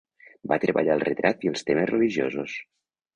Va treballar el retrat i els temes religiosos.